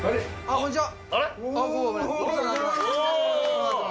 こんにちは。